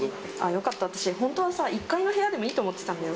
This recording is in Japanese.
よかった、私、本当はさ、１階の部屋でもいいと思ってたんだよ。